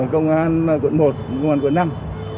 công an tp hcm công an tp hcm